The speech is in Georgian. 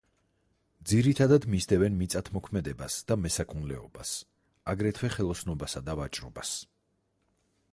ძირითადად მისდევენ მიწათმოქმედებას და მესაქონლეობას, აგრეთვე ხელოსნობასა და ვაჭრობას.